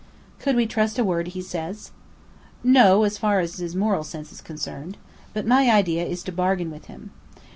"Could we trust a word he says?" "No, as far as his moral sense is concerned. But my idea is to bargain with him.